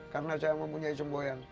karena saya mempunyai semboyan